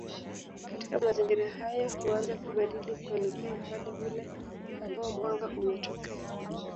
Katika mazingira haya huanza kubadili kuelekea upande ule ambao mwanga umetokea